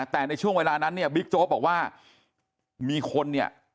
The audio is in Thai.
แต่ในช่วงเวลานั้นเนี่ยบิ๊กโจ๊กบอกว่ามีคนเนี่ย